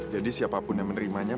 jadi siapapun yang menerima